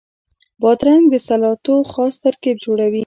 بادرنګ د سلاتو خاص ترکیب جوړوي.